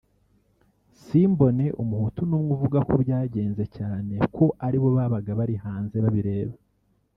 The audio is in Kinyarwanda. simbone Umuhutu n’umwe uvuga uko byagenze cyane ko ari bo babaga bari hanze babireba